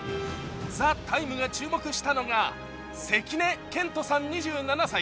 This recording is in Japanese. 「ＴＨＥＴＩＭＥ’」が注目したのが関根賢人さん、２７歳。